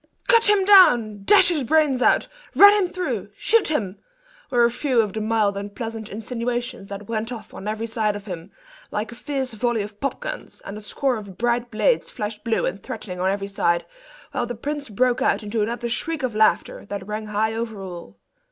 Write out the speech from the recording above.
"Cut him down!" "Dash his brains out!" "Run him through!" "Shoot him!" were a few of the mild and pleasant insinuations that went off on every side of him, like a fierce volley of pop guns; and a score of bright blades flashed blue and threatening on every side; while the prince broke out into another shriek of laughter, that rang high over all.